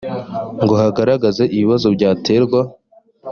ngo hagaragazwe ibibazo byaterwa